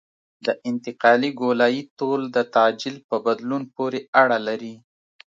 د انتقالي ګولایي طول د تعجیل په بدلون پورې اړه لري